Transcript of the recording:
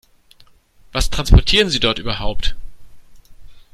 Was transportieren Sie dort überhaupt?